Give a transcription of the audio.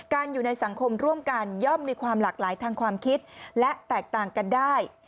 อยู่ในสังคมร่วมกันย่อมมีความหลากหลายทางความคิดและแตกต่างกันได้